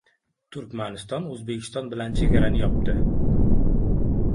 Turkmaniston O‘zbekiston bilan chegarani yopdi